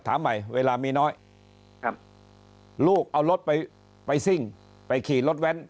ถามใหม่เวลามีน้อยครับลูกเอารถไปไปซิ่งไปขี่รถแว้น